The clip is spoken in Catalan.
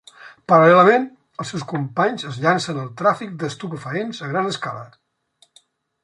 Paral·lelament, els seus companys es llancen al tràfic d'estupefaents a gran escala.